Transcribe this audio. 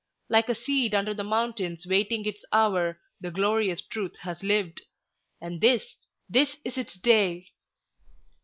Like a seed under the mountains waiting its hour, the glorious Truth has lived; and this—this is its day!"